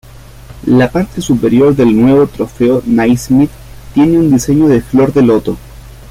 La parte superior del nuevo Trofeo Naismith tiene un diseño de flor de loto.